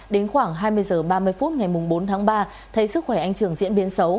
đến khoảng hai mươi h ba mươi phút ngày bốn tháng ba thấy sức khỏe anh trường diễn biến xấu